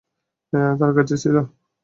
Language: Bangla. তার কাছে ছিল?